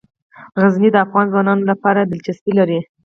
غزني د افغان ځوانانو لپاره دلچسپي لري.